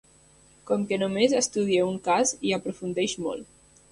Com que només estudia un cas, hi aprofundeix molt.